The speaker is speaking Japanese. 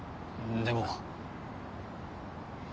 でも。